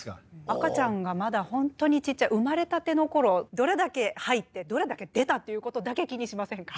赤ちゃんがまだほんとにちっちゃい生まれたての頃どれだけ入ってどれだけ出たっていうことだけ気にしませんか？